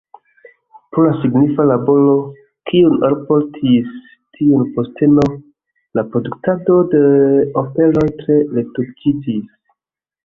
Pro la signifa laboro, kiun alportis tiu posteno, la produktado de operoj tre reduktiĝis.